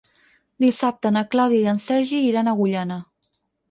Dissabte na Clàudia i en Sergi iran a Agullana.